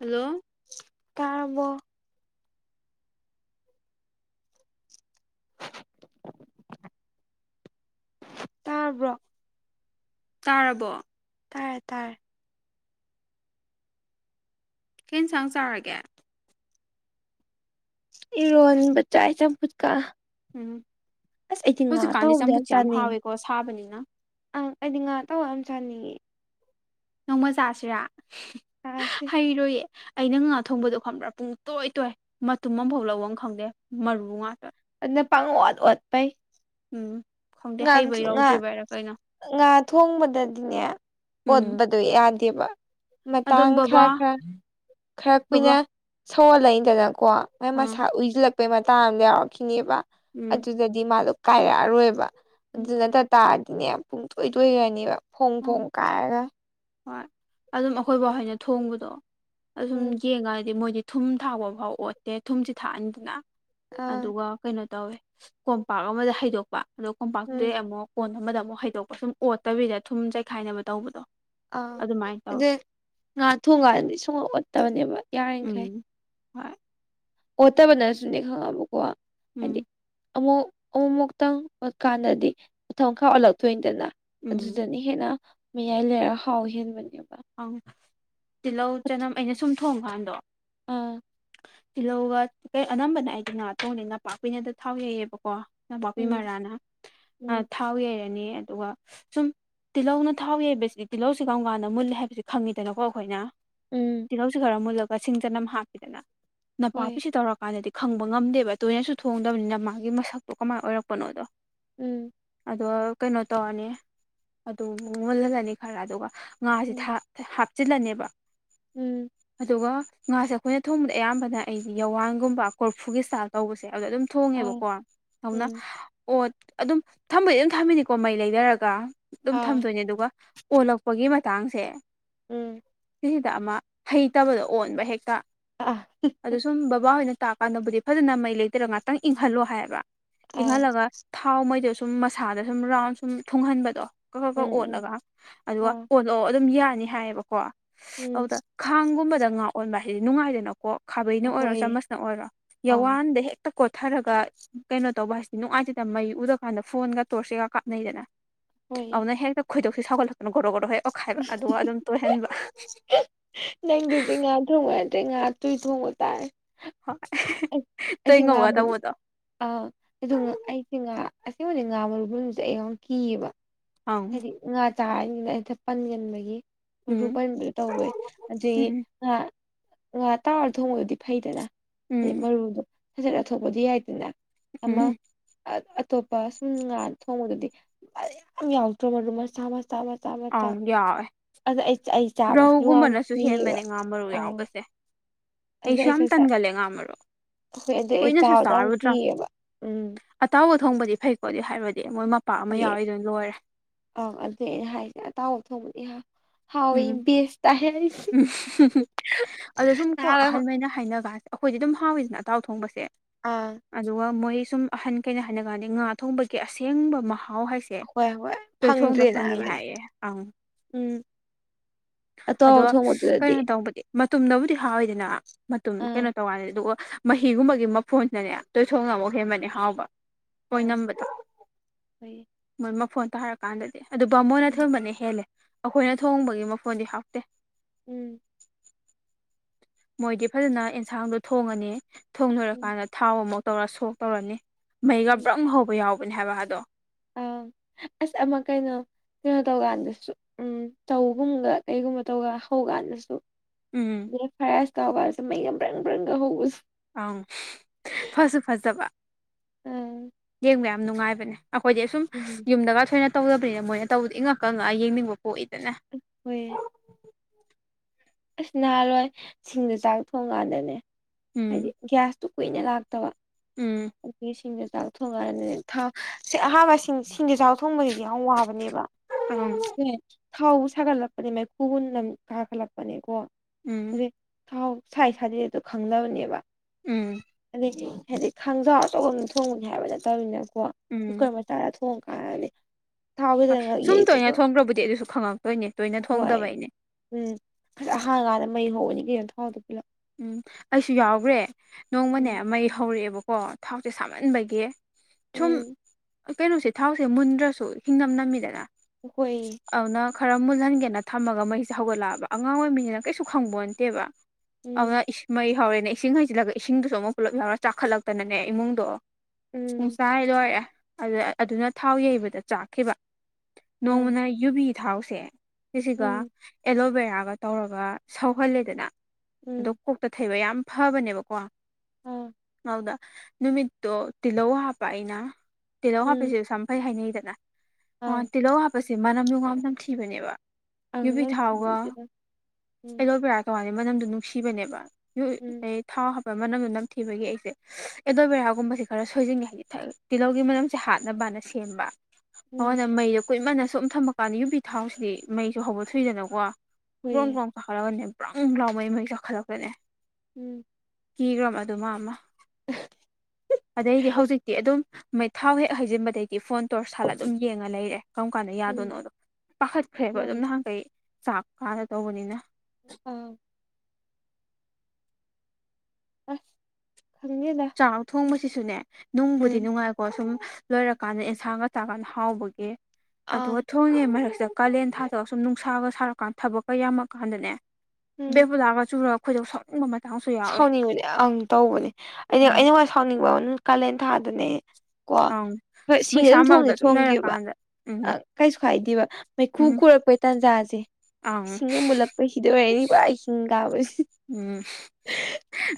Hello ꯇꯥꯔꯕꯣ ꯇꯥꯕ꯭ꯔꯣ ꯇꯥꯔꯕꯣ ꯇꯥꯔꯦ ꯇꯥꯔꯦ ꯀꯦꯟꯁꯥꯡ ꯆꯥꯔꯒꯦ ꯏꯔꯣꯟꯕ ꯆꯥꯏ ꯆꯝꯐꯨꯠꯀ ꯎꯝ ꯑꯁ ꯑꯩꯗꯤ ꯉꯥ ꯍꯧꯖꯤꯛꯀꯥꯟꯗꯤ ꯇꯧꯕꯗ ꯆꯝꯐꯨꯠꯁꯦ ꯌꯥꯝ ꯆꯥꯅꯤꯡꯉꯤ ꯍꯥꯎꯋꯤꯀꯣ ꯁꯥꯕꯅꯤꯅ ꯑꯪ ꯑꯩꯗꯤ ꯉꯥ ꯇꯥꯎꯕ ꯌꯥꯝ ꯆꯥꯅꯤꯡꯉꯤ ꯅꯣꯡꯃ ꯆꯥꯁꯤꯔꯥ ꯆꯥꯁꯤ ꯍꯩꯔꯣꯏꯌꯦ ꯑꯩꯅ ꯉꯥ ꯊꯣꯡꯕꯗꯣ ꯈꯪꯕ꯭ꯔꯥ ꯄꯨꯡ ꯇꯣꯏ ꯇꯣꯏ ꯃꯇꯨꯝ ꯑꯃꯐꯥꯎ ꯂꯧꯕꯝ ꯈꯪꯗꯦ ꯃꯔꯨ ꯉꯥꯛꯇ ꯑꯩꯅ ꯄꯪꯑꯣꯠ ꯑꯣꯠꯄꯩ ꯎꯝ ꯈꯪꯗꯦ ꯉꯥꯟ ꯍꯩꯕ ꯉꯥ ꯌꯥꯎꯗ꯭ꯔꯤꯕꯩꯔꯥ ꯀꯩꯅꯣ ꯉꯥ ꯊꯣꯡꯕꯗꯗꯤꯅꯦ ꯎꯝ ꯑꯣꯠꯄꯗꯨ ꯌꯥꯗꯦꯕ ꯑꯗꯨꯝ ꯃꯇꯥꯡ ꯕꯕꯥ ꯈꯔ ꯈꯔ ꯈꯔ ꯕꯕꯥ ꯀꯨꯏꯅ ꯁꯧꯍꯜꯂꯏꯅꯤꯗꯅꯀꯣ ꯃꯥꯏ ꯑꯥ ꯃꯁꯥ ꯎꯏꯁꯤꯜꯂꯛꯄ ꯄꯩ ꯃꯇꯥꯡ ꯑꯃ ꯌꯥꯎꯔꯛꯈꯤꯅꯦꯕ ꯎꯝ ꯑꯗꯨꯗꯗꯤ ꯃꯥꯗꯣ ꯀꯥꯏꯔꯛꯑꯔꯣꯏꯕ ꯑꯗꯨꯗ ꯎꯝ ꯅꯠꯇꯥ ꯇꯥꯔꯗꯤꯅꯦ ꯄꯨꯡꯇꯣꯏꯇꯣꯏꯈ꯭ꯔꯅꯦꯕ ꯐꯣꯡ ꯑ ꯐꯣꯡ ꯀꯥꯏꯔꯒ ꯍꯣꯏ ꯑꯗꯨꯝ ꯑꯩꯈꯣꯏ ꯕꯥꯍꯣꯏꯅ ꯊꯣꯡꯕꯗꯣ ꯑꯗꯨꯝ ꯎꯝ ꯌꯦꯡꯀꯥꯟꯗꯗꯤ ꯃꯣꯏꯗꯤ ꯊꯨꯝ ꯊꯥꯛꯄꯐꯥꯎ ꯑꯣꯠꯇꯦ ꯊꯨꯝꯁꯦ ꯊꯥꯛꯑꯅꯤꯗꯅ ꯑꯥ ꯑꯗꯨꯒ ꯀꯩꯅꯣ ꯇꯧꯋꯦ ꯀꯣꯝꯄꯥꯛ ꯑꯃꯗ ꯍꯩꯗꯣꯛꯄ ꯑꯗꯨ ꯎꯝ ꯀꯣꯝꯄꯥꯛꯇꯨꯗꯩ ꯑꯃꯨꯛ ꯀꯣꯟ ꯑꯃꯗ ꯑꯃꯨꯛ ꯍꯩꯗꯣꯛꯄ ꯁꯨꯝ ꯑꯣꯠꯇꯕꯤꯗ ꯊꯨꯝ ꯆꯥꯏꯈꯥꯏꯅꯕ ꯇꯧꯕꯗꯣ ꯑꯪ ꯑꯗꯨꯃꯥꯏꯅ ꯇꯧꯋꯦ ꯑꯗꯨ ꯉꯥ ꯊꯣꯡꯀꯥꯟꯗꯗꯤ ꯁꯨꯡꯑꯣꯠ ꯑꯣꯠꯇꯕꯅꯦꯕ ꯌꯥꯔꯤꯈꯩ ꯎꯝ ꯍꯣꯏ ꯑꯣꯠꯇꯕꯅꯁꯨꯅꯦ ꯈꯪꯉꯕꯀꯣ ꯍꯥꯏꯗꯤ ꯎꯝ ꯑꯃꯨꯛ ꯑꯃꯨꯛꯃꯨꯛꯇꯪ ꯑꯣꯠꯀꯥꯟꯗꯗꯤ ꯃꯊꯛ ꯃꯈꯥ ꯑꯣꯜꯂꯛꯇꯣꯏꯅꯤꯗꯅ ꯎꯝ ꯑꯗꯨꯗꯅꯤ ꯍꯦꯟꯅ ꯃꯌꯥꯏ ꯂꯩꯔ ꯍꯥꯎ ꯍꯦꯟꯕꯅꯦꯕ ꯑꯪ ꯇꯤꯜꯍꯧ ꯆꯅꯝ ꯑꯩꯅ ꯁꯨꯝ ꯊꯣꯡꯀꯥꯟꯗꯣ ꯑꯥ ꯇꯤꯜꯍꯧꯒ ꯑꯦ ꯑꯅꯝꯕꯅ ꯑꯩꯗꯤ ꯉꯥ ꯊꯣꯡꯉꯗꯤ ꯅꯥꯄꯥꯛꯄꯤꯅꯗ ꯊꯥꯎ ꯌꯩꯌꯦꯕꯀꯣ ꯅꯄꯥꯛꯄꯤ ꯎꯝ ꯃꯔꯥꯅ ꯑꯥ ꯎꯝ ꯊꯥꯎ ꯌꯩꯔꯅꯤ ꯑꯗꯨꯒ ꯁꯨꯝ ꯇꯤꯜꯍꯧꯅ ꯊꯥꯎ ꯌꯩꯕꯁꯤꯗꯤ ꯇꯤꯜꯍꯧꯁꯤ ꯀꯔꯝ ꯀꯥꯟꯗ ꯃꯨꯂꯦ ꯍꯥꯏ ꯈꯪꯉꯤꯗꯅꯀꯣ ꯑꯩꯈꯣꯏꯅ ꯎꯝ ꯇꯤꯜꯍꯧꯁꯤ ꯈꯔ ꯃꯨꯜꯂꯒ ꯁꯤꯡ ꯆꯅꯝ ꯍꯥꯞꯄꯤꯗꯅ ꯍꯣꯏ ꯅꯄꯥꯛꯄꯤꯁꯤ ꯇꯧꯔ ꯀꯥꯟꯗꯗꯤ ꯈꯪꯕ ꯉꯝꯗꯦꯕ ꯇꯣꯏꯅꯁꯨ ꯊꯣꯡꯗꯕꯅꯤꯅ ꯃꯥꯒꯤ ꯃꯁꯛꯇꯣ ꯀꯃꯥꯏꯅ ꯑꯣꯏꯔꯛꯄꯅꯣꯗꯣ ꯎꯝ ꯑꯗꯣ ꯀꯩꯅꯣ ꯇꯧꯔꯅꯤ ꯑꯗꯨ ꯃꯨꯜꯍꯜꯂꯅꯤ ꯈꯔ ꯑꯗꯨꯒ ꯉꯥꯁꯦ ꯎꯝ ꯊꯥꯛ ꯍꯥꯞꯆꯤꯜꯂꯅꯦꯕ ꯎꯝ ꯑꯗꯨꯒ ꯉꯥꯁꯦ ꯑꯩꯈꯣꯏꯅ ꯊꯣꯡꯕꯗ ꯑꯌꯥꯝꯕꯅ ꯑꯩꯗꯤ ꯌꯥꯋꯥꯟꯒꯨꯝꯕ ꯀꯣꯔꯐꯨꯒꯤ ꯏꯁꯇꯥꯏꯜ ꯇꯧꯕꯁꯦ ꯑꯗꯨꯗ ꯑꯗꯨꯝ ꯑꯥ ꯊꯣꯡꯉꯦꯕꯀꯣ ꯍꯧꯅ ꯎꯝ ꯑꯣꯠ ꯑꯗꯨꯝ ꯊꯝꯕꯗꯤ ꯑꯗꯨꯝ ꯊꯝꯃꯤꯅꯤꯀꯣ ꯃꯩ ꯂꯩꯊꯔꯒ ꯑꯗꯨꯝ ꯑꯥ ꯊꯝꯗꯣꯏꯅꯦ ꯑꯗꯨꯒ ꯑꯣꯜꯂꯛꯄꯒꯤ ꯃꯇꯥꯡꯁꯦ ꯎꯝ ꯗ ꯑꯃ ꯍꯩꯇꯕꯗ ꯑꯣꯟꯕ ꯍꯦꯛꯇ ꯑꯥ ꯑꯗꯨ [unintelligible] ꯁꯨꯝ ꯕꯕꯥꯍꯣꯏꯅ ꯇꯥꯛꯀꯥꯟꯗꯕꯨꯗꯤ ꯐꯖꯅ ꯃꯩ ꯂꯩꯗꯔꯒ ꯉꯥꯛꯇꯪ ꯏꯪꯍꯜꯂꯣ ꯍꯥꯏꯌꯦꯕ ꯑꯥ ꯏꯪꯍꯜꯂꯒ ꯊꯥꯎꯃꯩꯗꯨ ꯁꯨꯝ ꯃꯁꯥꯗ ꯁꯨꯝ ꯔꯥꯎꯟ ꯁꯨꯝ ꯊꯨꯡꯍꯟꯕꯗꯣ ꯀꯛ ꯀꯛ ꯀꯛ ꯎꯝ ꯎꯝ ꯑꯣꯠꯂꯒ ꯑꯗꯨꯒ ꯑꯥ ꯑꯣꯜꯂꯛꯑꯣ ꯑꯗꯨꯝ ꯌꯥꯅꯤ ꯍꯥꯏꯌꯦꯕꯀꯣ ꯎꯝ ꯑꯗꯨꯗ ꯈꯥꯡꯒꯨꯝꯕꯗ ꯉꯥ ꯑꯣꯟꯕ ꯍꯥꯏꯁꯤꯗꯤ ꯅꯨꯡꯉꯥꯏꯗꯅꯀꯣ ꯈꯥꯕꯩꯅ ꯑꯣꯏꯔꯣ ꯍꯣꯏ ꯆꯥꯃꯁꯅ ꯑꯣꯏꯔꯣ ꯑꯥ ꯌꯥꯋꯥꯟꯗ ꯍꯦꯛ ꯇ ꯀꯣꯠꯊꯔꯒ ꯀꯩꯅꯣ ꯇꯧꯕ ꯍꯥꯏꯁꯤꯗꯤ ꯅꯨꯡꯉꯥꯏꯇꯦꯗꯅ ꯃꯩ ꯎꯗꯀꯥꯟꯗ ꯐꯣꯟꯒ ꯇꯣꯔꯆ ꯀꯩꯒ ꯀꯥꯞꯅꯩꯗꯅ ꯍꯣꯏ ꯑꯗꯨꯅ ꯍꯦꯛꯇ ꯈꯣꯏꯗꯧꯁꯤ ꯁꯥꯎꯒꯠꯂꯛꯇꯅ ꯒꯣꯔꯣ ꯒꯣꯔꯣ ꯍꯦꯛ ꯑꯣꯠꯈꯥꯏꯕ ꯑꯗꯨꯒ ꯑꯗꯨꯝ ꯇꯣꯏꯍꯟꯕ ꯅꯪ ꯗꯨꯗꯤ ꯉꯥ ꯊꯣꯡꯕ ꯅꯇꯦ ꯉꯥ ꯇꯨꯢ ꯊꯣꯡꯕ ꯇꯥꯔꯦ [unintelligible] ꯑꯩ ꯑꯩꯁꯦ ꯉꯥ ꯇꯣꯢꯉꯧꯒ ꯃꯔꯨ ꯇꯧꯕꯗꯨ ꯑꯥ ꯑꯗꯨꯒ ꯑꯩꯁꯦ ꯉꯥ ꯑꯁꯦꯡꯕꯗꯤ ꯉꯥ ꯃꯔꯨꯒꯨꯝꯕꯁꯦ ꯑꯩ ꯌꯥꯝ ꯀꯤꯑꯦꯕ ꯑꯪ ꯍꯥꯏꯗꯤ ꯉꯥ ꯆꯥꯔ ꯅꯤꯅ ꯍꯦꯛꯇ ꯄꯟꯒꯟꯕꯒꯤ ꯃꯔꯨ ꯎꯝ ꯄꯟꯕꯤꯗꯣ ꯇꯧꯕꯩ ꯑꯗꯨꯏ ꯎꯝ ꯉꯥ ꯉꯥ ꯇꯥꯎꯔ ꯊꯣꯡꯕꯗꯨꯗꯤ ꯐꯩꯗꯅ ꯎꯝ ꯍꯥꯏꯗꯤ ꯃꯔꯨꯗꯣ ꯐꯖꯅ ꯊꯣꯛꯄꯗꯤ ꯌꯥꯏꯗꯅ ꯑꯃ ꯎꯝ ꯑ ꯑꯇꯣꯞꯄ ꯁꯨꯝ ꯉꯥ ꯊꯣꯡꯕꯗꯗꯤ ꯃꯌꯥꯝ ꯌꯥꯎꯇ꯭ꯔꯣ ꯃꯔꯨ ꯃꯁꯥ ꯃ ꯃꯆꯥ ꯃꯆꯥ ꯃꯆꯥ ꯑꯪ ꯌꯥꯎꯋꯦ ꯑꯗ ꯑꯩ [unintelligible] ꯑꯩ ꯆꯥꯕꯁꯨ ꯌꯥꯝ ꯔꯧꯒꯨꯝꯕꯅꯁꯨ ꯀꯤꯌꯦꯕ ꯍꯦꯟꯕꯅꯦ ꯉꯥ ꯃꯔꯨ ꯑꯥ ꯌꯥꯎꯕꯁꯦ ꯑꯗꯨꯅ ꯑꯩꯁꯨ ꯑꯩ ꯌꯥꯝ ꯁꯠ ꯁꯠ ꯇꯟꯒꯜꯂꯦ ꯉꯥ ꯃꯔꯨ ꯍꯣꯏ ꯑꯗꯨꯏ ꯑꯩ ꯀꯨꯏꯅꯁꯨ ꯆꯥꯕꯗꯨ ꯌꯥꯝ ꯆꯥꯔꯨꯗ꯭ꯔꯥ ꯀꯤꯌꯦꯕ ꯎꯝ ꯑꯇꯥꯎꯕ ꯊꯣꯡꯕꯗꯤ ꯐꯩ ꯀꯣ ꯑꯗꯨꯏ ꯍꯥꯏꯔꯣꯗꯤ ꯃꯣꯏ ꯃꯄꯥꯛ ꯑꯃ ꯍꯣꯏ ꯌꯥꯎꯏꯗꯨꯅ ꯂꯣꯏꯔꯦ ꯑꯪ ꯑꯗꯨꯏ ꯑꯩꯅ ꯍꯥꯏꯁꯦ ꯑꯇꯥꯎꯕ ꯊꯣꯡꯕꯅ ꯍꯥ ꯍꯥꯎꯋꯤ ꯎꯝ ꯕꯦꯏꯁ ꯇꯥꯏ ꯍꯥꯏ [unintelligible] ꯑꯗꯣ ꯁꯨꯝ ꯀꯣ ꯇꯥꯔꯕꯣ? ꯑꯍꯟꯃꯩꯅ ꯍꯥꯏꯅꯒꯥꯟꯁꯦ ꯑꯩꯈꯣꯏꯗꯤ ꯑꯗꯨꯝ ꯍꯥꯎꯋꯤꯗꯅ ꯑꯇꯥꯎ ꯊꯣꯡꯕꯁꯦ ꯑꯥ ꯑꯗꯨꯒ ꯃꯣꯏ ꯁꯨꯝ ꯑꯍꯟꯈꯩꯅ ꯍꯥꯏꯅ ꯀꯥꯟꯗꯤ ꯉꯥ ꯊꯣꯡꯕꯒꯤ ꯑꯁꯦꯡꯕ ꯃꯍꯥꯎ ꯍꯥꯏ ꯁꯦ ꯍꯣꯏ ꯍꯣꯏ ꯇꯣꯏꯊꯣꯡꯗ ꯐꯪꯗ꯭ꯔꯦꯅ ꯐꯪꯉꯤ ꯍꯥꯏꯕꯅꯦ ꯍꯥꯏꯌꯦ ꯑꯪ ꯎꯝ ꯑꯗꯣ ꯑꯇꯥꯎꯕ ꯊꯣꯡꯕꯗꯨꯗꯗꯤ ꯀꯩꯅꯣ ꯇꯧꯕꯗꯤ ꯃꯇꯨꯝꯗꯕꯨꯗꯤ ꯍꯥꯎꯏꯗꯅ ꯃꯇꯨꯝ ꯀꯩꯅꯣ ꯑꯥ ꯇꯧꯀꯥꯟꯗꯤ ꯑꯗꯨꯒ ꯃꯍꯤꯒꯨꯝꯕꯒꯤ ꯃꯐꯣꯟꯗꯅꯦ ꯇꯣꯏꯊꯣꯡꯅ ꯑꯃꯨꯛ ꯍꯦꯟꯕꯅꯦ ꯍꯥꯎꯕ ꯑꯥ ꯑꯣꯏꯅꯝꯕꯗꯣ ꯍꯣꯏ ꯃꯣꯏ ꯃꯐꯣꯟ ꯇꯥꯔꯛ ꯀꯥꯟꯗꯗꯤ ꯑꯗꯨ ꯕꯥꯃꯣꯟꯅ ꯎꯝ ꯊꯣꯡꯕꯅ ꯍꯦꯜꯂꯤ ꯑꯩꯈꯣꯏꯅ ꯊꯣꯡꯕꯒꯤ ꯃꯐꯣꯟꯗꯤ ꯍꯥꯎꯇꯦ ꯎꯝ ꯃꯣꯏꯗꯤ ꯐꯖꯅ ꯑꯦꯟꯁꯥꯡꯗꯣ ꯊꯣꯡꯉꯅꯤ ꯊꯣꯡ ꯎꯝ ꯂꯣꯏꯔꯀꯥꯟꯗ ꯊꯥꯎ ꯑꯃꯨꯛ ꯇꯧꯔ ꯁꯣꯛ ꯇꯧꯔꯅꯤ ꯃꯩꯒ ꯕ꯭ꯔꯪ ꯍꯧꯕ ꯌꯥꯎꯕꯅꯦ ꯍꯥꯏꯕ ꯑꯗꯣ ꯎꯝ ꯑꯁ ꯑꯃ ꯀꯩꯅꯣ ꯀꯩꯅꯣ ꯇꯧꯀꯥꯟꯗꯁꯨ ꯎꯝ ꯆꯧꯒꯨꯝꯕ ꯀꯩꯒꯨꯝꯕ ꯇꯧ ꯀꯥꯟ ꯍꯧꯒꯥꯟꯗꯁꯨ ꯎꯝ ꯑꯗꯨꯒ ꯐ꯭ꯔꯥꯏ ꯔꯥꯏꯁꯀ ꯍꯧꯀꯥꯟꯗꯁꯨ ꯃꯩꯒ ꯕ꯭ꯔꯪ ꯕ꯭ꯔꯪꯒ ꯍꯧꯕꯗꯨ ꯑꯪ ꯐꯁꯨ ꯐꯖꯕ ꯎꯝ ꯌꯦꯡꯕ ꯌꯥꯝ ꯅꯨꯉꯥꯏꯕꯅꯦ ꯑꯈꯣꯏꯗꯤ ꯑꯁꯨꯝ ꯎꯝ ꯌꯨꯝꯗꯒ ꯊꯣꯏꯅ ꯇꯧꯗꯕꯅꯤꯅ ꯃꯣꯏꯅ ꯇꯧꯕꯗꯨ ꯏꯉꯛꯀ ꯉꯛꯑ ꯌꯦꯡꯅꯤꯡꯕ ꯄꯣꯛꯏꯗꯅ ꯍꯣꯏꯌꯦ ꯑꯁ ꯅꯍꯜꯋꯥꯏ ꯁꯤꯡꯗ ꯆꯥꯛ ꯊꯣꯡ ꯒꯥꯟꯗꯅꯦ ꯍꯥꯏꯗꯤ ꯎꯝ ꯒ꯭ꯌꯥꯁꯇꯨ ꯀꯨꯏꯅ ꯂꯥꯛ ꯇꯕ ꯎꯝ ꯑꯗꯨꯏ ꯁꯤꯡꯗ ꯆꯥꯛ ꯊꯣꯡ ꯀꯥꯟꯗꯅꯦ ꯊꯥꯎ ꯑꯍꯥꯟꯕ ꯁꯤꯡ ꯁꯤꯡꯗ ꯆꯥꯛ ꯊꯣꯡꯕꯗꯤ ꯌꯥꯝ ꯋꯥꯕꯅꯦꯕ ꯎꯝ ꯊꯥꯎꯕꯨ ꯁꯥꯒꯠꯂꯛꯄꯅꯦ ꯃꯩꯈꯨꯕꯨ ꯅꯝ ꯀꯥꯈꯠꯂꯛꯄꯅꯦꯀꯣ ꯎꯝ [unintelligible] ꯊꯥꯎ ꯁꯥꯏ ꯁꯥꯗꯦꯗꯣ ꯈꯪꯗꯕꯅꯦꯕ ꯎꯝ ꯑꯗꯩꯗꯤ ꯍꯥꯏꯗꯤ ꯈꯥꯡꯖꯥꯎ ꯑꯆꯧꯕ ꯑꯝꯗ ꯊꯣꯡꯕꯅꯤ ꯍꯥꯏꯕ ꯅꯠꯇꯕꯅꯤꯅꯀꯣ ꯎꯝ ꯀꯨꯀꯔ ꯃꯆꯥꯗ ꯊꯣꯡꯉꯀꯥꯟꯗꯗꯤ ꯍꯣꯏ ꯁꯨꯝ ꯇꯣꯏꯅ ꯊꯣꯡꯈ꯭ꯔꯕꯨꯗꯤ ꯑꯗꯨꯁꯨ ꯈꯪꯉꯛꯇꯣꯏꯅꯦ ꯇꯣꯏꯅ ꯍꯣꯏ ꯊꯣꯡꯗꯕꯩꯅꯦ ꯎꯝ [unintelligible] ꯑꯍꯥꯟ ꯀꯥꯟꯗ ꯃꯩ ꯍꯧꯕꯅꯤ ꯀꯩꯩꯅꯣ ꯊꯥꯎꯗꯣ ꯄꯨꯂꯞ ꯎꯝ ꯑꯩꯁꯨ ꯌꯥꯎꯒ꯭ꯔꯦ ꯅꯣꯡꯃꯅꯦ ꯎꯝ ꯃꯩ ꯍꯧꯔꯛꯑꯦꯕꯀꯣ ꯊꯥꯎꯁꯦ ꯁꯥꯃꯟꯕꯒꯤ ꯁꯨꯝ ꯎꯝ ꯀꯩꯅꯣꯁꯦ ꯊꯥꯎꯁꯦ ꯃꯨꯟꯗ꯭ꯔꯁꯨ ꯍꯤꯡꯅꯝ ꯅꯝꯃꯤꯗꯅ ꯍꯣꯏ ꯑꯗꯨꯅ ꯈꯔ ꯃꯨꯜꯍꯟꯒꯦꯅ ꯊꯝꯃꯒ ꯃꯩꯁꯦ ꯍꯧꯒꯠꯂꯛꯑꯕ ꯑꯉꯥꯡ ꯑꯣꯏꯃꯤꯅ ꯀꯩꯁꯨ ꯈꯪꯄꯣꯟꯇꯦꯕ ꯎꯝ ꯑꯗꯨꯅ ꯏꯁ ꯃꯩ ꯍꯧꯔꯦꯅ ꯏꯁꯤꯡ ꯍꯩꯖꯤꯜꯂꯒ ꯏꯁꯤꯡꯗꯨꯁꯨ ꯑꯃꯨꯛ ꯄꯨꯂꯞ ꯌꯥꯎꯔ ꯆꯥꯛꯈꯠꯂꯛꯇꯅꯅꯦ ꯏꯃꯨꯡꯗꯣ ꯎꯝ ꯄꯨꯡꯆꯥꯏ ꯂꯣꯏꯔꯦ ꯑꯗꯨ ꯑꯗꯨꯅ ꯊꯥꯎ ꯌꯩꯕꯗ ꯆꯥꯛꯈꯤꯕ ꯑꯥ ꯅꯣꯡꯃꯅ ꯌꯨꯕꯤ ꯊꯥꯎꯁꯦ ꯁꯤꯁꯤꯒ ꯎꯝ ꯑꯦꯂꯣꯕꯦꯔꯥꯒ ꯇꯧꯔꯒ ꯁꯧꯍꯜꯂꯦꯗꯅ ꯑꯗꯣ ꯎꯝ ꯀꯣꯛꯇ ꯊꯩꯕ ꯌꯥꯝ ꯐꯕꯅꯦꯕꯀꯣ ꯑꯥ [unintelligible] ꯅꯨꯃꯤꯠꯇꯣ ꯇꯤꯜꯂꯧ ꯍꯥꯞꯄ ꯑꯩꯅ ꯇꯤꯜꯂꯧ ꯎꯝ ꯍꯥꯞꯄꯤꯖꯦ ꯁꯝ ꯐꯩ ꯍꯥꯏꯅꯩꯗꯅ ꯑꯥ [unintelligible] ꯇꯤꯜꯂꯧ ꯍꯥꯞꯄꯁꯦ ꯃꯅꯝ ꯌꯨꯡ ꯌꯥꯝ ꯅꯝꯊꯤꯕꯅꯦꯕ ꯑꯪ ꯌꯨꯕꯤ ꯊꯥꯎꯒ ꯅꯝꯊꯤꯕꯒꯤꯗꯨꯗ ꯎꯝ ꯑꯦꯂꯣꯕꯦ [unintelligible] [unintelligible] ꯃꯅꯝꯗꯣ ꯅꯨꯡꯁꯤꯕꯅꯦꯕ ꯎꯝ ꯑꯩ ꯊꯥꯎ ꯍꯥꯞꯄ ꯃꯅꯝꯗꯣ ꯅꯝꯊꯤꯕꯒꯤ ꯑꯩꯁꯦ ꯑꯦꯗꯣꯕꯦꯔꯥꯒꯨꯝꯕꯁꯦ ꯈꯔ ꯁꯣꯏꯖꯤꯟꯒꯦ ꯍꯥꯏꯗꯤ ꯇꯤꯜꯍꯧꯒꯤ ꯃꯅꯝꯁꯦ ꯍꯥꯠꯅꯕꯅ ꯁꯦꯝꯕ ꯎꯝ [unintelligible] ꯃꯩꯗꯣ ꯀꯨꯏꯃꯟꯗꯅ ꯁꯨꯝ ꯊꯝꯃꯀꯥꯟꯗ ꯌꯨꯕꯤ ꯊꯥꯎꯁꯤꯗꯤ ꯃꯩꯁꯨ ꯍꯧꯕ ꯊꯨꯏꯗꯅꯀꯣ ꯕ꯭ꯔꯣꯡ ꯍꯣꯏꯌꯦ ꯕ꯭ꯔꯣꯡ ꯀꯥꯈꯠꯂꯒꯅꯦ ꯕ꯭ꯔꯡ ꯂꯥꯎ ꯃꯩ ꯃꯩ ꯆꯥꯛꯈꯠꯂꯛꯄꯅꯦ ꯎꯝ ꯀꯤꯒ꯭ꯔꯕ ꯑꯗꯨ ꯃꯥ ꯑꯃ [unintelligible] ꯑꯗꯩꯗꯤ ꯍꯧꯖꯤꯛꯇꯤ ꯑꯗꯨꯝ ꯃꯩ ꯊꯥꯎ ꯍꯦꯛ ꯍꯩꯖꯤꯟꯕꯗꯩꯗꯤ ꯐꯣꯟ ꯇꯣꯔꯁ ꯊꯥꯜꯂ ꯑꯗꯨꯝ ꯌꯦꯡꯉ ꯂꯩꯔꯦ ꯀꯔꯝꯀꯥꯟꯗ ꯎꯝ ꯌꯥꯗꯣꯏꯅꯣꯗꯣ ꯄꯥꯈꯠꯈ꯭ꯔꯦꯕ ꯑꯗꯨꯝ ꯍꯣꯏ ꯅꯍꯥꯟ ꯀꯩ ꯆꯥꯛ ꯀꯥꯟꯅ ꯇꯧꯕꯅꯤꯅ ꯎꯝ ꯑꯁ [unintelligible] ꯆꯥꯛ ꯊꯣꯡꯕꯁꯤꯁꯨꯅꯦ ꯅꯨꯡꯕꯨꯗꯤ ꯎꯝ ꯅꯨꯡꯉꯥꯏꯀꯣ ꯁꯨꯝ ꯂꯣꯏꯔꯀꯥꯟꯗ ꯑꯦꯟꯁꯥꯡꯒ ꯆꯥꯀꯥꯟꯗ ꯍꯥꯎꯕꯒꯤ ꯑꯥ ꯑꯗꯨꯒ [unintelligible] ꯊꯣꯡꯉꯤꯉꯩ ꯃꯔꯛꯁꯤꯗ ꯀꯥꯂꯦꯟ ꯊꯥꯗꯣ ꯁꯨꯝ ꯅꯨꯡꯁꯥꯒ ꯁꯥꯔꯀꯥꯟ ꯊꯕꯛꯀ ꯌꯥꯝꯃꯛ ꯀꯥꯟꯗꯅꯦ ꯎꯝ ꯕꯦꯕꯨꯂꯥꯒ ꯆꯨꯔꯥ ꯈꯣꯏꯗꯧ ꯁꯥꯎꯅꯤꯡꯕ ꯃꯇꯥꯡꯁꯨ ꯌꯥꯎꯋꯦ [unintelligible] ꯑꯪ ꯇꯧꯕꯅꯦ ꯑꯩꯅ ꯎꯝ ꯑꯩꯅ [unintelligible] ꯁꯥꯎꯅꯤꯡꯕ ꯑꯃꯅ ꯀꯥꯂꯦꯟ ꯊꯥꯗꯅꯦ ꯀꯣ ꯑꯪ ꯍꯣꯏ ꯁꯤꯡ [unintelligible] ꯃꯩꯁꯥ ꯑꯗꯨꯝ ꯊꯣꯡꯗꯤ ꯃꯔꯛꯇ ꯁꯨꯝ ꯊꯣꯡꯒꯦꯕ ꯂꯩꯔꯀꯥꯟꯗ ꯎꯝ ꯑꯥ ꯀꯩꯁꯨ ꯀꯥꯏꯗꯦꯕ ꯃꯩꯈꯨ ꯎꯝ ꯈꯨꯔꯛꯄꯩ ꯇꯟꯖꯥꯖꯦ ꯑꯪ ꯏꯁꯤꯡꯒ ꯃꯨꯠꯂꯛꯄꯩ ꯁꯤꯗ ꯑꯣꯏꯔꯦ ꯑꯩꯅ ꯄꯨꯔꯥ ꯍꯤꯡ ꯀꯥꯕ ꯎꯝ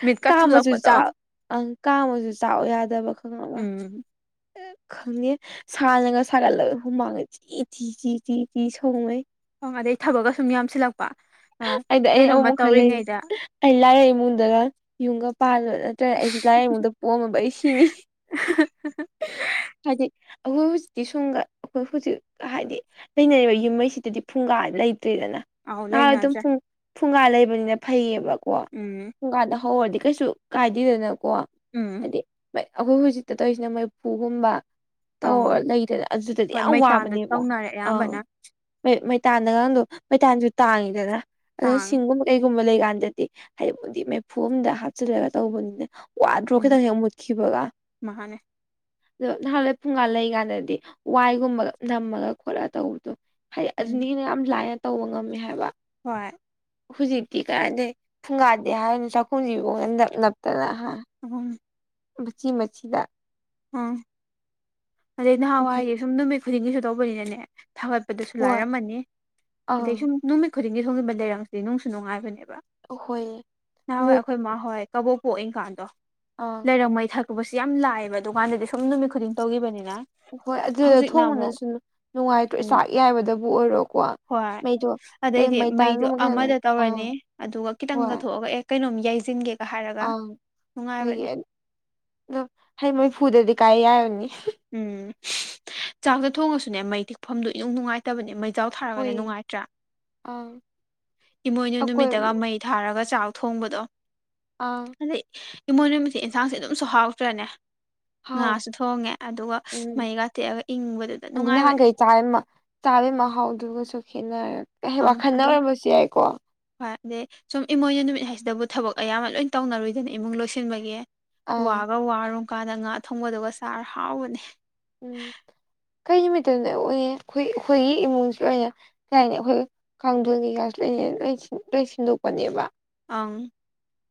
ꯃꯤꯠꯀ ꯀꯥꯝꯃꯁꯨ ꯊꯨꯞꯂꯛꯄꯗꯣ ꯆꯥꯛ ꯑꯪ ꯀꯥꯝꯃꯁꯨ ꯆꯥꯛꯑꯣ ꯌꯥꯗꯕ [unintelligible] ꯎꯝ [unintelligible] ꯁꯥꯅꯒ ꯁꯥꯒꯠꯂꯒ ꯍꯨꯃꯥꯡꯒ ꯆꯤ ꯆꯤ ꯆꯤ ꯆꯤ ꯆꯤ ꯁꯧꯉꯩ [unintelligible] ꯑꯗꯩ ꯊꯕꯛꯀ ꯁꯨꯝ ꯌꯥꯝꯁꯤꯜꯂꯛꯄ ꯑ ꯑꯩꯗꯤ ꯑꯩ ꯀꯩꯅꯣꯝꯃ ꯑꯃꯨꯛ ꯈꯜꯂꯦ ꯇꯧꯔꯤꯉꯩꯗ ꯑꯩ ꯂꯥꯏꯔ ꯏꯃꯨꯡꯗꯒ ꯌꯨꯝꯒ ꯄꯥꯜ [unintelligible] [unintelligible] ꯑꯩꯁꯤ ꯂꯥꯏꯔ ꯏꯃꯨꯡꯗ ꯄꯣꯛꯑꯝꯃꯕ ꯑꯩ ꯁꯤꯅꯤ [unintelligible] ꯍꯥꯏꯗꯤ ꯑꯩꯈꯣꯏ ꯍꯧꯖꯤꯛꯇꯤ [unintelligible] ꯑꯩꯈꯣꯏ ꯍꯧꯖꯤꯛ ꯍꯥꯏꯗꯤ ꯂꯩꯅꯔꯤꯕ ꯌꯨꯝ [unintelligible] ꯁꯤꯗꯗꯤ ꯐꯨꯡꯒꯥ ꯂꯩꯇ꯭ꯔꯦꯗꯅ ꯑꯧ ꯅꯍꯥꯟ ꯑꯗꯨꯝ ꯂꯩꯅꯗ꯭ꯔꯦ ꯐꯨꯡ ꯐꯨꯡꯒꯥ ꯂꯩꯕꯅꯤꯅ ꯐꯩꯌꯦꯕꯀꯣ ꯎꯝ ꯐꯨꯡꯒꯥꯗ ꯍꯧꯔꯗꯤ ꯀꯩꯁꯨ ꯀꯥꯏꯗꯦꯗꯅꯀꯣ ꯎꯝ ꯍꯥꯏꯗꯤ ꯑꯩꯈꯣꯏ ꯍꯧꯖꯤꯛꯇ ꯇꯧꯔꯤꯁꯤꯅ ꯃꯩꯐꯨꯒꯨꯝꯕ ꯇꯧꯔ ꯑꯪ ꯂꯩꯗꯅ ꯑꯗꯨꯗꯗꯤ ꯍꯣꯏ ꯌꯥꯝ ꯃꯩꯇꯥꯟꯗ ꯋꯥꯕꯅꯦꯕ ꯇꯧꯅꯔꯦ ꯑꯪ ꯑꯌꯥꯝꯕꯅ ꯃꯩ ꯃꯩꯇꯥꯟꯗꯒꯥꯡꯗꯣ ꯃꯩꯇꯥꯟꯁꯨ ꯇꯥꯡꯉꯤꯗꯅ ꯑꯗꯨꯅ ꯇꯥꯡꯉꯦ ꯁꯤꯡꯒꯨꯝꯕ ꯀꯩꯒꯨꯝꯕ ꯂꯩꯀꯥꯟꯗꯗꯤ ꯍꯥꯏꯗꯤꯕꯨꯗꯤ ꯃꯩꯐꯨ ꯑꯝꯗ ꯍꯥꯞꯆꯤꯜꯂꯒ ꯇꯧꯕꯅꯤꯅ ꯋꯥꯗ꯭ꯔꯣ ꯎꯝ ꯈꯤꯇꯪ ꯍꯦꯛ ꯃꯨꯠꯈꯤꯕꯒ ꯃꯥꯅꯦ ꯑꯗꯣ ꯅꯍꯥꯟꯋꯥꯏ ꯐꯨꯡꯒꯥ ꯂꯩꯔꯤꯀꯥꯟꯗꯗꯤ ꯋꯥꯏꯒꯨꯝꯕꯒ ꯅꯝꯃꯒ ꯈꯣꯠꯂꯒ ꯇꯧ ꯑ ꯍꯥꯏꯗꯤ ꯎꯝ ꯑꯗꯨꯅꯤꯅ ꯌꯥꯝ ꯂꯥꯏꯅ ꯇꯧꯕ ꯉꯝꯃꯦ ꯍꯥꯏꯕ ꯍꯣꯏ ꯍꯧꯖꯤꯛꯇꯤ ꯀꯥꯔꯥꯏꯗꯩ ꯐꯨꯡꯒꯥꯗꯦ ꯍꯥꯏꯔꯅꯨ ꯆꯥꯛꯈꯨꯝꯁꯤꯐꯥꯎꯕ ꯅꯞ ꯅꯞꯇꯅ ꯌꯥ ꯑꯗꯨꯝ ꯃꯆꯤ ꯃꯆꯤꯗ ꯎꯝ ꯑꯗꯩ ꯅꯍꯥꯟꯋꯥꯏ ꯁꯨꯝ ꯅꯨꯃꯤꯠ ꯈꯨꯗꯤꯡꯒꯤꯁꯨ ꯇꯧꯕꯅꯤꯅꯅꯦ ꯊꯥꯒꯠꯄꯗꯁꯨ ꯍꯣꯏ ꯂꯥꯏꯔꯝꯃꯅꯤ ꯑꯗꯩ ꯁꯨꯝ ꯑꯪ ꯅꯨꯃꯤꯠ ꯈꯨꯗꯤꯡꯒꯤ ꯊꯣꯡꯖꯤꯟꯕ ꯂꯩꯔꯪꯁꯤꯗꯤ ꯅꯨꯡꯁꯨ ꯅꯨꯡꯉꯥꯏꯕꯅꯦꯕ ꯍꯣꯏꯌꯦ ꯅꯍꯥꯟꯋꯥꯏ ꯑꯩꯈꯣꯏ ꯃꯥ ꯍꯣꯏ ꯀꯕꯣꯛ ꯄꯣꯛꯏ ꯀꯥꯟꯗꯣ ꯑꯥ ꯂꯩꯔꯪ ꯃꯩ ꯊꯒꯠꯄꯁꯤ ꯌꯥꯝ ꯂꯥꯛꯑꯦꯕ ꯗꯨꯀꯥꯟꯗꯗꯤ ꯁꯨꯝ ꯅꯨꯃꯤꯠ ꯈꯨꯗꯤꯡ ꯇꯧꯈꯤꯕꯅꯤꯅ ꯍꯣꯏ ꯑꯗꯨꯗ ꯍꯧꯖꯤꯛꯅ ꯑꯃꯨꯛ ꯊꯣꯡꯕꯅꯁꯨ ꯅꯨꯡꯉꯥꯏꯇ꯭ꯔꯣ ꯎꯝ ꯆꯥꯛ ꯌꯥꯏꯕꯗꯕꯨ ꯑꯣꯏꯔꯣꯀꯣ ꯍꯣꯏ ꯃꯩꯗꯣ ꯀꯩ ꯑꯗꯩꯗꯤ ꯃꯩꯗꯣ ꯃꯩꯇꯥꯟꯒꯨꯝꯕ ꯈꯤꯇꯪ ꯑꯃꯗ ꯑꯥ ꯇꯧꯔꯅꯤ ꯑꯗꯨꯒ ꯈꯤꯇꯪꯒ ꯊꯣꯛꯑꯒ ꯑꯦ ꯀꯩꯅꯣꯝ ꯌꯥꯏꯁꯤꯟꯒꯦ ꯑꯪ ꯍꯣꯏꯒꯤ ꯍ ꯃꯩꯐꯨꯗꯗꯤ ꯀꯥꯏ ꯌꯥꯔꯅꯤ ꯎꯝ ꯆꯥꯛꯇ ꯊꯣꯡꯉꯁꯨꯅꯦ ꯃꯩ ꯇꯤꯛꯐꯝꯗꯣ ꯏꯅꯨꯡ ꯅꯨꯡꯉꯥꯏꯇ ꯐꯠꯇꯕꯅꯤ ꯃꯩꯖꯥꯎ ꯊꯥꯔꯒꯅ ꯍꯣꯏꯌꯦ ꯅꯨꯡꯉꯥꯏꯇ꯭ꯔꯥ ꯑꯥ ꯏꯃꯣꯏꯅꯨ ꯑꯀꯣꯏ ꯅꯨꯃꯤꯠꯇꯒ ꯃꯩ ꯊꯥꯔꯒ ꯆꯥꯛ ꯊꯣꯡꯕꯗꯣ ꯑꯥ ꯑꯗꯩ ꯏꯃꯣꯏ ꯅꯨꯨꯃꯤꯠꯁꯦ ꯌꯦꯟꯁꯥꯡꯁꯦ ꯑꯗꯨꯝꯁꯨ ꯍꯥꯎꯇ꯭ꯔꯅꯦ ꯍꯥꯎꯋꯦ ꯉꯥꯁꯨ ꯊꯣꯡꯉꯦ ꯑꯗꯨꯒ ꯎꯝ ꯃꯩꯒꯥ ꯇꯦꯛꯑꯒ ꯏꯪꯕꯗꯨꯗ ꯅꯨꯡꯉꯥꯏꯕꯅꯦ [unintelligible] ꯆꯥꯔꯤꯕ ꯃꯍꯥꯎꯗꯨꯒꯁꯨ ꯈꯦꯠꯅꯔ ꯏꯌꯦ ꯑꯪ ꯋꯥꯈꯜꯅ ꯑꯗꯨꯝ ꯑꯣꯔꯕꯁꯨ ꯌꯥꯏꯀꯣ ꯍꯣꯏ ꯑꯗꯩ ꯁꯨꯝ ꯏꯃꯣꯏꯅꯨ ꯅꯨꯃꯤꯠ ꯍꯥꯏꯁꯤꯗꯕꯨ ꯊꯕꯛ ꯑꯌꯥꯝꯕ ꯂꯣꯏ ꯇꯧꯅꯔꯨꯗꯅꯦ ꯏꯃꯨꯡ ꯂꯣꯏꯁꯤꯟꯕꯒꯤ ꯑꯥ ꯋꯥꯒ ꯋꯥꯔꯨ ꯀꯥꯟꯗ ꯉꯥ ꯊꯣꯡꯕꯗꯨꯒ ꯆꯥꯔ ꯍꯥꯎꯕꯅꯦ ꯎꯝ ꯀꯩ ꯅꯨꯃꯤꯠꯇꯅ ꯎꯏ ꯑꯩꯈꯣꯏ ꯑꯩꯈꯣꯏꯒꯤ ꯏꯃꯨꯡꯁꯨ ꯑꯣꯏꯅ ꯀꯩꯥꯏ ꯍꯥꯏꯅꯤ ꯑꯩꯈꯣꯏ ꯀꯡꯊꫭꯜ ꯀꯩꯀꯥꯁꯨ ꯂꯩ ꯂꫭꯏ ꯂꫭꯏ ꯁꯤꯟꯗꯣꯛꯄꯅꯦꯕ ꯑꯪ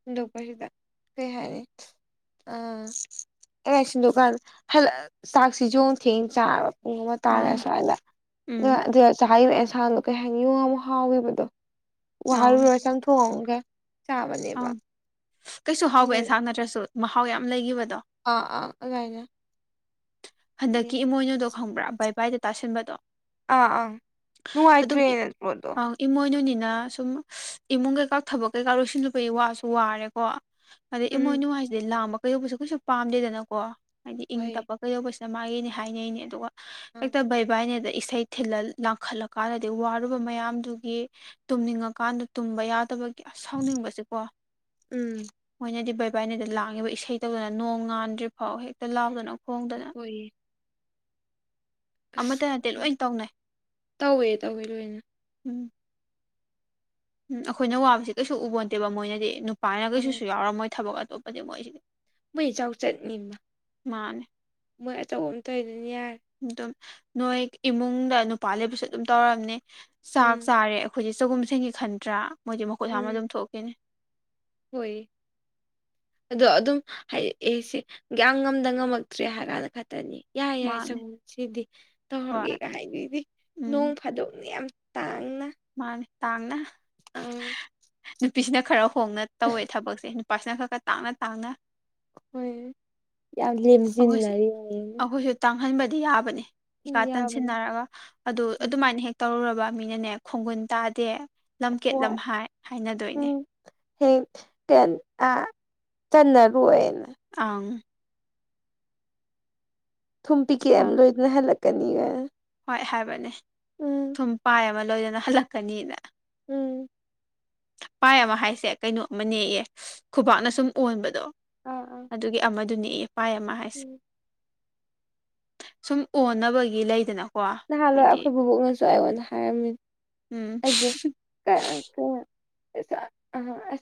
ꯍꯨꯟꯗꯣꯛꯄꯁꯤꯗ ꯀꯩ ꯍꯥꯏꯅꯤ ꯑꯝ ꯑꯩꯅ ꯁꯤꯟꯗꯨꯀꯥꯟ ꯍꯂ ꯆꯥꯛꯁꯤꯖꯣꯡ ꯊꯦꯡ ꯆꯥꯔꯕ ꯄꯨꯡ ꯑꯃ ꯇꯥꯔ ꯑꯪ ꯁ꯭ꯋꯥꯏꯗ ꯎꯝ ꯑꯗꯨꯗ ꯆꯥꯈꯤꯕ ꯑꯦꯟꯁꯥꯡꯗꯣ ꯀꯩ ꯍꯥꯏꯅꯤ ꯌꯨꯡ ꯑꯃ ꯍꯥꯎꯈꯤꯕꯗꯣ ꯑꯪ ꯋꯥꯔꯨꯔ ꯆꯪꯊꯣꯛꯑꯝꯒꯦ ꯑꯪ ꯀꯩꯁꯨ ꯍꯥꯎꯕ ꯑꯦꯟꯁꯥꯡ ꯅꯠꯇ꯭ꯔꯁꯨ ꯃꯍꯥꯎ ꯌꯥꯝ ꯂꯩꯈꯤꯕꯗꯣ ꯑꯥ ꯑꯥ ꯑꯗꯨꯃꯥꯏꯅ ꯍꯟꯗꯛꯀꯤ ꯏꯃꯣꯏꯅꯨꯗꯣ ꯈꯪꯕ꯭ꯔꯥ ꯕꯥꯏ ꯕꯥꯏꯗ ꯇꯥꯁꯤꯟꯕꯗꯣ? ꯑꯥ ꯑꯥ ꯑꯗꯨꯝ ꯅꯨꯡꯉꯥꯏꯇ꯭ꯔꯦ ꯑꯗꯣ꯫ ꯑꯪ ꯏꯃꯣꯏꯅꯨꯅꯤꯅ ꯁꯨꯝ ꯏꯃꯨꯡ ꯀꯩꯀꯥ ꯊꯕꯛ ꯀꯩꯀꯥ ꯂꯣꯏꯁꯤꯜꯂꯨꯕꯒꯤ ꯋꯥꯁꯨ ꯋꯥꯔꯦꯀꯣ꯫ ꯑꯗꯩ ꯎꯝ ꯏꯃꯣꯏꯅꯨ ꯍꯥꯏꯁꯤꯗꯤ ꯂꯥꯡꯕ ꯀꯩꯗꯧꯕꯁꯨ ꯀꯩꯁꯨ ꯄꯥꯝꯗꯦꯗꯅꯀꯣ ꯍꯥꯏꯗꯤ ꯏꯪ ꯍꯣꯏ ꯇꯞꯄ ꯀꯩꯗꯧꯕꯁꯤ ꯃꯥꯒꯤꯅꯦ ꯍꯥꯏꯅꯩꯅꯦ ꯑꯗꯨꯒ ꯑꯥ ꯍꯦꯛꯇ ꯕꯩꯕꯥꯏꯅꯦꯗ ꯏꯁꯩ ꯊꯤꯜꯂ ꯂꯥꯡꯈꯠꯂ ꯀꯥꯟꯗꯗꯤ ꯋꯥꯔꯨꯕ ꯃꯌꯥꯝꯗꯨꯒꯤ ꯇꯨꯝꯅꯤꯡꯉꯀꯥꯟꯗ ꯇꯨꯝꯕ ꯌꯥꯗꯕ ꯑꯁ ꯁꯥꯎꯅꯤꯡꯕꯁꯦꯀꯣ꯫ ꯎꯝ ꯃꯣꯏꯅꯗꯤ ꯕꯩꯕꯥꯏꯅꯗ ꯂꯥꯡꯉꯤꯕ ꯏꯁꯩ ꯇꯧꯗꯅ ꯅꯣꯡ ꯉꯥꯟꯗ꯭ꯔꯤ ꯐꯥꯎ ꯍꯦꯛꯇ ꯂꯥꯎꯗꯅ ꯈꯣꯡꯗꯅ꯫ ꯍꯣꯏꯌꯦ꯫ ꯑꯁ ꯑꯃꯠꯇ ꯅꯠꯇꯦ ꯈꯪ ꯂꯣꯏ ꯇꯧꯅꯩ꯫ ꯇꯧꯋꯦ ꯇꯧꯋꯦ ꯂꯣꯏꯅ꯫ ꯎꯝ ꯎꯝ ꯑꯩꯈꯣꯏꯅ ꯋꯥꯕꯁꯤ ꯀꯩꯁꯨ ꯎꯕꯣꯟꯠꯇꯦꯕ ꯃꯣꯏꯅꯗꯤ ꯅꯨꯄꯥꯅ ꯎꯝ ꯀꯩꯁꯨꯁꯨ ꯌꯥꯎꯔꯝꯃꯣꯏ ꯊꯕꯛ ꯑꯇꯣꯞꯄꯗꯤ ꯃꯣꯏꯁꯤꯗꯤ꯫ ꯃꯣꯏ ꯆꯥꯎꯆꯠ ꯅꯤꯅꯥ꯫ ꯃꯥꯅꯦ꯫ ꯃꯣꯏ ꯑꯆꯧꯕ ꯑꯃ ꯇꯧꯔꯤꯗꯨꯅ ꯌꯥꯔꯦ꯫ ꯑꯗꯨꯝ ꯅꯣꯏ ꯏꯃꯨꯡꯗ ꯅꯨꯄꯥ ꯂꯩꯕꯁꯨ ꯑꯗꯨꯝ ꯇꯧꯔꯝꯅꯤ ꯆꯥꯛ ꯎꯝ ꯆꯥꯔꯦ ꯑ ꯈꯣꯏꯗꯤ ꯆꯒꯨꯝ ꯁꯦꯡꯒꯦ ꯈꯟꯗ꯭ꯔꯥ ꯃꯣꯏꯗꯤ ꯃꯈꯨꯠ ꯍꯥꯝꯃ ꯑꯗꯨꯝ ꯊꯣꯛꯈꯤꯅꯤ꯫ ꯍꯣꯏ꯫ ꯑꯗꯣ ꯑꯗꯨꯝ ꯍꯥꯏ ꯑꯦ ꯁꯤ ꯌꯥꯝ ꯉꯝꯗ ꯉꯝꯃꯛꯇ꯭ꯔꯦ ꯍꯥꯏꯔ ꯀꯥꯟꯗ ꯈꯛꯇꯅꯦ꯫ ꯌꯥꯏ ꯌꯥꯏ ꯃꯥꯅꯦ ꯆꯒꯨꯝꯁꯤꯗꯤ ꯍꯣꯏ ꯇꯧꯔꯒꯦꯀꯥꯏ ꯍꯥꯏꯕꯤꯗꯦ ꯎꯝ ꯅꯣꯡ ꯐꯥꯗꯣꯛꯅꯦ ꯌꯥꯝ ꯇꯥꯡꯅ꯫ ꯃꯥꯅꯦ ꯇꯥꯡꯅ ꯑꯪ ꯅꯨꯄꯤꯁꯤꯅ ꯈꯔ ꯍꯣꯡꯅ ꯇꯧꯋꯦ ꯊꯕꯛꯁꯦ꯫ ꯄꯥꯔꯁꯅꯦꯜ ꯈꯛꯇ ꯇꯥꯡꯅ-ꯇꯥꯡꯅ꯫ ꯈꯣꯏ ꯌꯥꯝ ꯑꯩꯈꯣꯏꯁꯨ ꯂꯦꯝꯖꯤꯟꯅꯔꯤꯌꯦꯅꯦ꯫ ꯑꯩꯈꯣꯏꯁꯨ ꯇꯥꯡꯍꯟꯕꯗꯤ ꯌꯥꯕꯅꯦ ꯏꯤꯀꯥ ꯌꯥꯕꯅꯦ ꯇꯟꯁꯤꯟꯅꯔꯒ ꯑꯗꯨ ꯎꯝ ꯑꯗꯨꯃꯥꯏꯅ ꯍꯦꯛ ꯇꯧꯔꯨꯔꯕ ꯃꯤꯅꯅꯦ ꯈꯣꯡꯒꯨꯟ ꯇꯥꯗꯦ ꯂꯝꯀꯦꯠ ꯂꯝꯍꯥꯏ ꯍꯥꯏꯅꯗꯣꯏꯅꯦ꯫ ꯍꯦꯛ ꯇꯟ ꯑ ꯆꯟꯅꯔꯣꯏꯅ꯫ ꯑꯪ꯫ ꯊꯨꯝ ꯄꯤꯛꯀꯦꯠ ꯑꯃ ꯂꯣꯏꯗꯅ ꯍꯜꯂꯛꯀꯅꯤꯒ꯫ ꯍꯣꯏ ꯍꯥꯏꯕꯅꯦ ꯎꯝ ꯊꯨꯝ ꯄꯥꯏ ꯑꯃ ꯂꯣꯏꯗꯅ ꯍꯜꯂꯛꯀꯅꯤꯅ꯫ ꯎꯝ꯫ ꯄꯥꯏ ꯑꯃ ꯍꯥꯏꯁꯦ ꯀꯩꯅꯣ ꯑꯃꯅꯦꯌꯦ ꯈꯨꯕꯥꯛꯅ ꯁꯨꯝ ꯑꯣꯟꯕꯗꯣ ꯑꯥ ꯑꯥ ꯑꯗꯨꯒꯤ ꯑꯃꯗꯨꯅꯦꯌꯦ ꯄꯥꯏ ꯑꯃ ꯍꯥꯏꯁꯦ꯫ ꯎꯝ ꯁꯨꯝ ꯑꯣꯟꯅꯕꯒꯤ ꯂꯩꯗꯅ꯫ ꯅꯍꯥꯥꯟꯋꯥꯏ ꯑꯈꯣꯏ ꯕꯨꯕꯣꯛꯅꯁꯨ ꯑꯩꯉꯣꯟꯗ ꯍꯥꯏꯔꯝꯃꯤꯅꯤ꯫ ꯎꯝ [unintelligible] [unintelligible] ꯑꯁꯨꯝ ꯍꯥꯏꯔ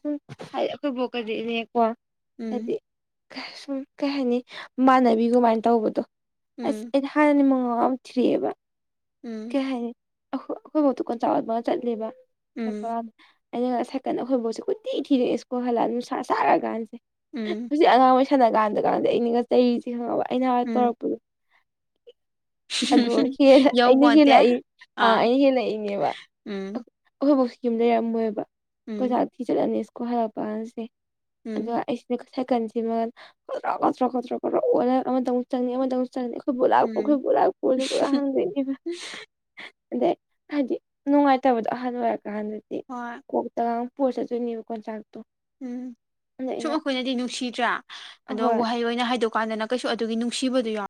ꯑꯩꯈꯣꯏ ꯕꯨꯕꯣꯛꯀꯗꯤꯅꯦꯀꯣ꯫ ꯎꯝ ꯍꯥꯏꯗꯤ ꯁꯨꯝ ꯀꯩ ꯍꯥꯏꯅꯤ ꯏꯃꯅꯕꯤꯒꯨꯝꯃꯥꯏꯅ ꯇꯧꯕꯗꯣ ꯑꯁ ꯎꯝ ꯑꯩꯅ ꯊꯥꯏꯅꯗꯤ ꯃꯉꯥꯎ ꯌꯥꯝ ꯊꯤꯔꯛꯑꯦꯕ꯫ ꯎꯝ꯫ ꯀꯩ ꯍꯥꯏꯅꯤ ꯑꯩꯈꯣꯏꯕꯣꯛꯇꯣ ꯀꯣꯟꯆꯥꯛ ꯌꯣꯟꯕꯒ ꯆꯠꯂꯦꯕ ꯎꯝ ꯊꯕꯟ ꯑꯩꯅ ꯁꯥꯏꯀꯟꯗ ꯑꯩꯈꯣꯕꯨꯕꯣꯛꯁꯦ ꯀꯣꯏꯊꯤ ꯊꯤꯗꯣꯏꯅꯦ ꯁ꯭ꯀꯣꯜ ꯍꯜꯂꯛꯑꯒ ꯅꯨꯡꯁꯥ ꯁꯥꯔꯀꯥꯟꯁꯦ꯫ ꯎꯝ ꯍꯧꯖꯤꯛ ꯑꯉꯥꯡꯒꯣꯏ ꯁꯥꯟꯅ ꯀꯥꯟꯗ ꯀꯥꯟꯗ ꯑꯩꯅꯒ ꯆꯩꯔꯤꯁꯦ ꯈꯪꯉꯕ ꯑꯩꯅ ꯎꯝ ꯇꯧꯔꯛꯄꯗꯣ꯫ [unintelligible] ꯍꯦꯜ ꯑꯩꯅ ꯌꯧꯄꯣꯟꯇꯦ ꯍꯦꯜꯂꯛꯏ ꯑꯥ ꯑꯩꯅ ꯍꯦꯜꯂꯛꯏꯅꯦꯕ꯫ ꯎꯝ ꯑꯩꯈꯣꯏꯕꯣꯛꯁꯨ ꯌꯨꯝ ꯂꯩꯔꯝꯃꯣꯏꯕ ꯎꯝ ꯀꯣꯏꯁꯥ ꯊꯤ ꯆꯠꯂꯅꯤ ꯁ꯭ꯀꯨꯜ ꯍꯜꯂꯛꯄ ꯀꯥꯟꯁꯦ꯫ ꯑꯗꯣ ꯎꯝ ꯑꯩꯁ ꯂꯣꯢ ꯀꯛꯊꯠꯀꯅꯤ ꯊꯤꯃꯜꯂꯗꯤ ꯒꯣꯗ꯭ꯔꯣꯛ ꯒꯣꯗ꯭ꯔꯣꯛ ꯒꯣꯗ꯭ꯔꯣꯛ ꯑꯣꯠꯂ ꯑꯃꯗ ꯑꯃꯨꯛ ꯆꯪꯅꯤ ꯑꯃꯗ ꯑꯃꯨꯛ ꯆꯟꯅꯤ ꯑꯩꯈꯣꯢ ꯕꯣꯛ ꯂꯥꯛꯄ꯭ꯔꯣ ꯎꯝ ꯑꯩꯈꯣꯢ ꯕꯣꯛ ꯂꯥꯛꯄ꯭ꯔꯣꯅ ꯀꯣꯢꯍꯪꯗꯩꯅꯤꯗ ꯑꯗꯩ ꯍꯥꯏꯗꯤ ꯅꯨꯡꯉꯥꯏꯇꯕꯗꯣ ꯑꯍꯜ ꯑꯣꯏꯔꯛꯀꯥꯟꯗꯗꯤ ꯍꯣꯏ UNINTELLIGIBLE ꯄꯨꯔꯒ ꯆꯠꯇꯣꯢꯅꯦꯕ ꯀꯣꯟꯆꯥꯛꯇꯣ ꯎꯝ ꯑꯗ ꯁꯨꯝ ꯑꯩꯅ ꯑꯩꯈꯣꯏꯅꯗꯤ ꯅꯨꯡꯁꯤꯗ꯭ꯔꯥ ꯑꯗꯣ ꯑꯍꯣꯏ ꯋꯥꯍꯩ ꯑꯣꯏꯅ ꯍꯥꯏꯗꯣꯛ ꯀꯥꯟꯗꯅ ꯀꯩꯁꯨ ꯑꯗꯨꯒꯤ ꯅꯨꯡꯁꯤꯕꯗꯨ ꯌꯥꯎ